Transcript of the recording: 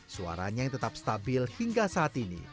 suaranya yang tetap stabil hingga saat ini